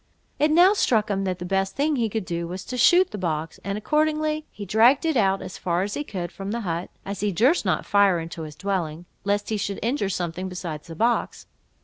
It now struck him, that the best thing he could do was to shoot the box; and accordingly he dragged it out, as far as he could, from the hut, as he durst not fire into his dwelling, lest he should injure something besides the box.